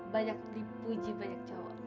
banyak dipuji banyak cowok